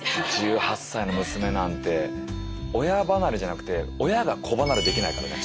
１８歳の娘なんて親離れじゃなくて親が子離れできないからね。